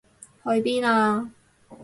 去邊啊？